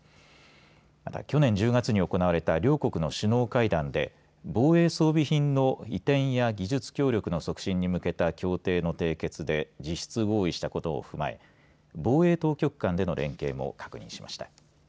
また去年１０月に行われた両国の首脳会談で防衛装備品の移転や技術協力の促進に向けた協定の締結で実質合意したことを踏まえ防衛当局間での連携も確認しました。